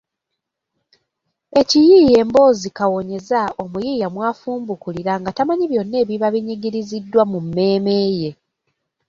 Ekiyiiye mboozi kawonyeza omuyiiya mw’afumbukulira nga tamanyi byonna ebiba binyigiriziddwa mu mmeeme ye